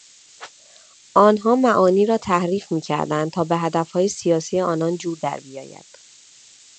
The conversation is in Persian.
آنها معانی را تحریف میکردند تا با هدفهای سیاسی آنان جور دربیاید.